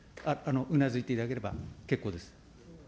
うなずいていただければ結構です。